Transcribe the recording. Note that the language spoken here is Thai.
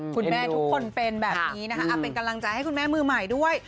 คุณแม่ทุกคนเป็นแบบนี้นะคะเป็นกำลังใจให้คุณแม่มือใหม่ด้วย